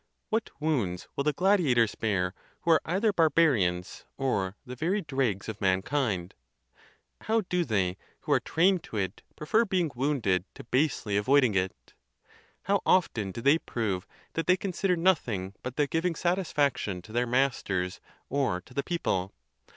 What wounds will the gladiators bear, who are either barbarians, or the very dregs of mankind! How do they, who are trained to it, prefer being wounded to basely avoiding it! 'How often do they prove that they consider nothing but the giving satisfaction to their masters or to the people!